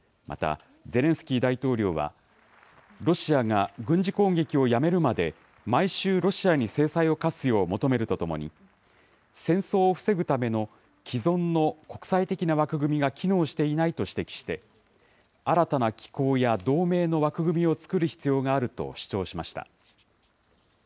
またゼレンスキー大統領はロシアが軍事攻撃をやめるまで毎週ロシアに制裁を科すよう求めるとともに戦争を防ぐための既存の国際的な枠組みが機能していないと指摘して新たな機構や同盟の枠組みを作る必要があると主張しました。